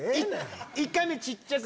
１回目小っちゃく。